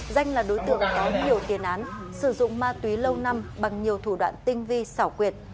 danh là đối tượng có nhiều tiền án sử dụng ma túy lâu năm bằng nhiều thủ đoạn tinh vi xảo quyệt